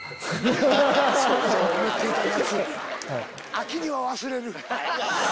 秋には忘れる。